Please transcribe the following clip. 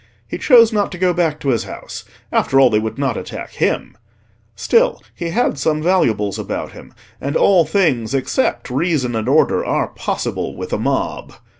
He chose not to go back to his house: after all they would not attack him. Still, he had some valuables about him; and all things except reason and order are possible with a mob.